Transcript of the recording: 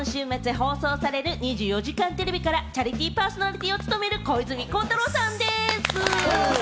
今週末放送される『２４時間テレビ』からチャリティーパーソナリティーを務める小泉孝太郎さんです。